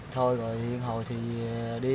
thôi rồi hồi thì đi